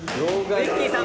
ウィッキーさん、